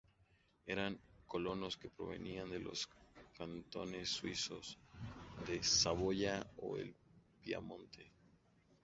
Eran colonos que provenían de los cantones suizos, de Saboya o del Piamonte.